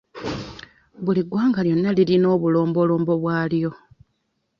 Buli ggwanga lyonna lirina obulombolombo bwalyo.